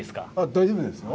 大丈夫ですよ。